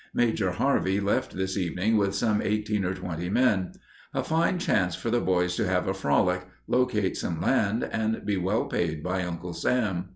Major Harvey left this evening with some eighteen or twenty men. A fine chance for the boys to have a frolic, locate some land, and be well paid by Uncle Sam.